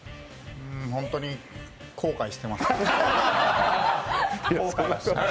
本当に後悔してます。